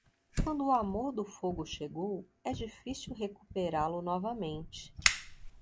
Quando o amor do fogo chegou, é difícil recuperá-lo novamente.